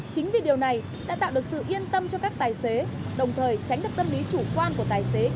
chính vì điều này đã tạo được sự yên tâm cho các tài xế đồng thời tránh được tâm lý chủ quan của tài xế